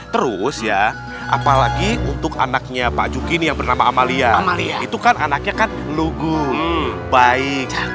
terus ya apalagi untuk anaknya pak juki ini yang bernama amalia itu kan anaknya kan lugu baik